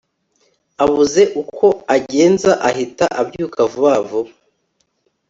Abuze uko agenza ahita abyuka vuba vuba